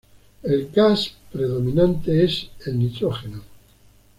El gas predominante es el nitrógeno.